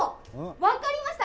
分かりました。